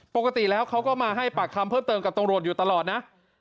ปกติแล้วเขาก็มาให้ปากคำเพิ่มเติมกับตำรวจอยู่ตลอดนะ